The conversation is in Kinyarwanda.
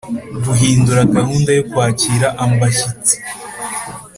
guhindura gahunda yo kwakira ambashyitsi